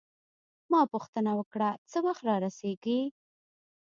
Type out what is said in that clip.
ما پوښتنه وکړه: څه وخت رارسیږي؟